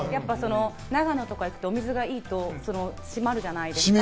長野とか行くとお水がいいと締まるじゃないですか。